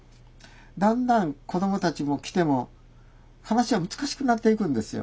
だんだん子どもたちも来ても話が難しくなっていくんですよ。